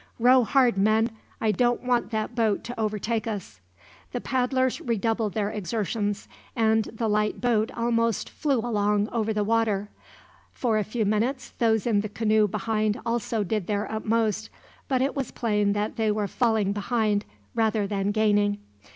"Row hard, men. I don't want that boat to overtake us." The paddlers redoubled their exertions, and the light boat almost flew along over the water. For a few minutes those in the canoe behind also did their utmost; but it was plain that they were falling behind, rather than gaining.